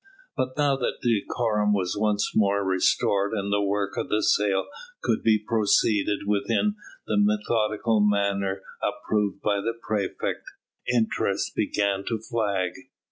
But now that decorum was once more restored and the work of the sale could be proceeded with in the methodical manner approved by the praefect, interest began to flag.